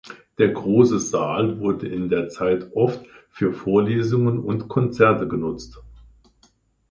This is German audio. Der große Saal wurde in der Zeit oft für Vorlesungen und Konzerte genutzt.